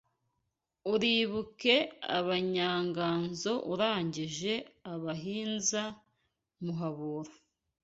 Uribuke Abanyanganzo Urangije abahinza Muhabura